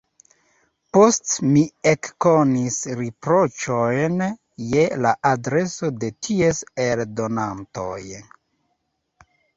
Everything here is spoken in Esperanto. Poste mi ekkonis riproĉojn je la adreso de ties eldonantoj.